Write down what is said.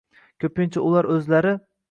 Ko‘pincha ular o‘zlari